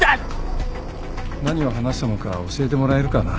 何を話したのか教えてもらえるかな？